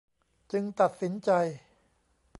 จึงตัดสินใจ